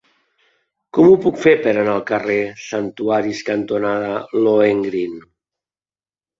Com ho puc fer per anar al carrer Santuaris cantonada Lohengrin?